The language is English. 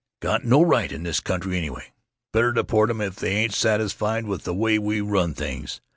Got no right in the country, anyway. Better deport 'em if they ain't satisfied with the way we run things.